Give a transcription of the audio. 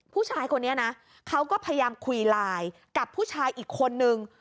ผู้ชายคนนี้นะเขาก็พยายามคุยไลน์กับผู้ชายอีกคนนึง